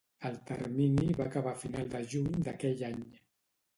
El termini va acabar a final de juny d'aquell any.